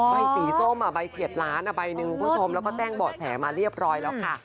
ใบสีส้มใบเฉียดล้านใบหนึ่งคุณผู้ชมแล้วก็แจ้งเบาะแสมาเรียบร้อยแล้วค่ะ